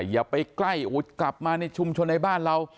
อย่าไปใกล้อุดกลับมาในชุมชนในบ้านเรา